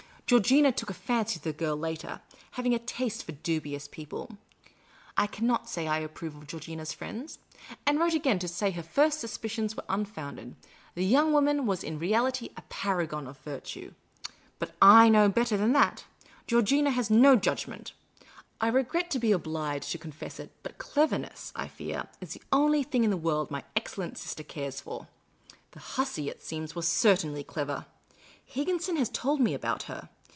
Georgina took a fancy to the girl later, having a taste for dubious people (I cannot say I approve of Georgina' s friends), and wrote again to say her first suspicions were unfounded: the young wonic^n was in reality a paragon of virtue. But /know better than that. Georgina has no judgment. I regret to be obliged to confess it, but cleverness, I fear, is the only thing in the world my excellent sister cares for. The hussy, it seems, was certainly clever. Higginson has told me about her.